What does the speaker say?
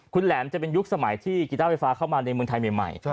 คุณแหลมจะเป็นยุคสมัยที่กีต้าไฟฟ้าเข้ามาในเมืองไทยใหม่